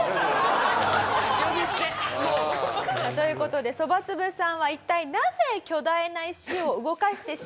呼び捨て。という事でそばつぶさんは一体なぜ巨大な石を動かしてしまったのか。